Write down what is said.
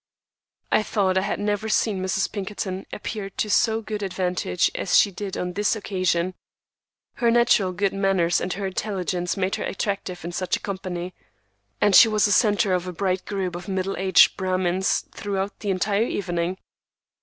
I thought I had never seen Mrs. Pinkerton appear to so good advantage as she did on this occasion. Her natural good manners and her intelligence made her attractive in such a company, and she was the centre of a bright group of middle aged Brahmins throughout the entire evening.